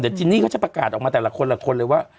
เดี๋ยวจินนี้ก็จะประกาสออกเองออกมาแต่ละคนกันเลยว่า